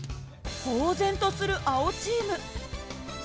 ぼう然とする青チーム。